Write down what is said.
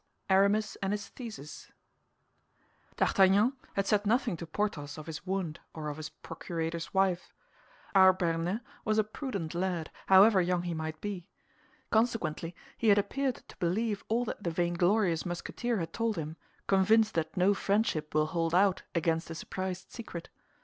ARAMIS AND HIS THESIS D'Artagnan had said nothing to Porthos of his wound or of his procurator's wife. Our Béarnais was a prudent lad, however young he might be. Consequently he had appeared to believe all that the vainglorious Musketeer had told him, convinced that no friendship will hold out against a surprised secret.